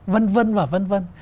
vân vân và vân vân